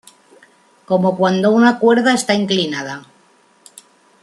Como cuando una cuerda está inclinada.